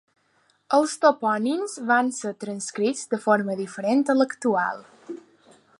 Els topònims van ser transcrits de forma diferent a l'actual.